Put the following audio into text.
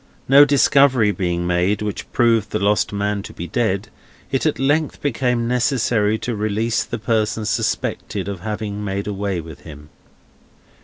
No discovery being made, which proved the lost man to be dead, it at length became necessary to release the person suspected of having made away with him.